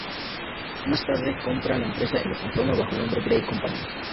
Más tarde compra la empresa y la transforma bajo el nombre Grey Company.